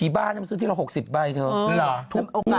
บ้าน้ำซื้อทีละ๖๐ใบเท่า